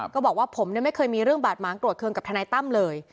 ก็บอกว่าผมไม่เคยมีเรื่องบาดหมางโกรธเครื่องกับทนายตั้มเลย